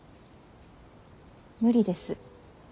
無理です。